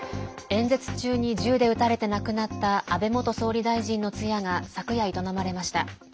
演説中に銃で撃たれて亡くなった安倍元総理大臣の通夜が昨夜、営まれました。